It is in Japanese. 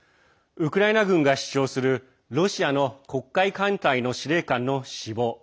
ウクライナ軍が主張するロシアの黒海艦隊の司令官の死亡。